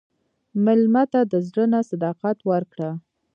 مېلمه ته د زړه نه صداقت ورکړه.